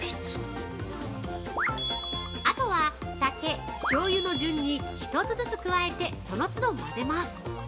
◆あとは酒、しょうゆの順に１つずつ加えてその都度混ぜます。